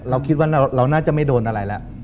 เราคิดว่าเราน่าจะไม่โดนอะไรแล้ว